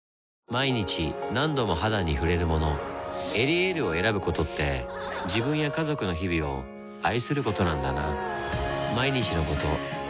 毎日何度も肌に触れるもの「エリエール」を選ぶことって自分や家族の日々を愛することなんだなぁ